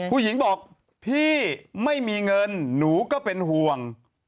ผู้หญิงบอกพี่ไม่มีเงินหนูก็เป็นห่วง